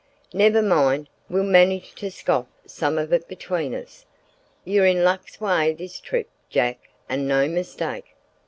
Never mind, we'll manage to scoff some of it between us. You're in luck's way this trip, Jack, and no mistake."